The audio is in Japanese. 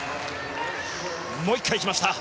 もう１回行きました！